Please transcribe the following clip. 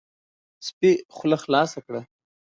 سپي خوله خلاصه کړه،